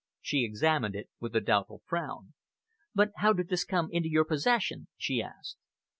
She examined it with a doubtful frown. "But how did this come into your possession?" she asked.